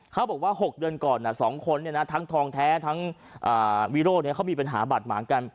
เขาบอกว่าหกเดือนก่อนอ่ะสองคนเนี่ยนะทั้งทองแท้ทั้งอ่าวิโรธเนี่ยเขามีปัญหาบาดหมางกัน